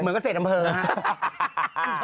เหมือนกับเศรษฐ์ดำเภิงนะฮะ